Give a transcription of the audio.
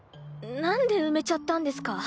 なんで埋めちゃったんですか？